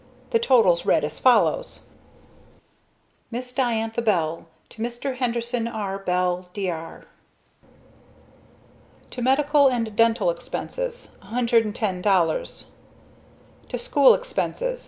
The totals read as follows: Miss Diantha Bell, To Mr. Henderson R. Bell, Dr. To medical and dental expenses... $110.00 To school expenses...